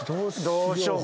どうしようかな？